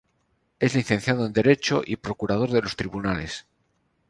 Es licenciado en Derecho, y procurador de los tribunales.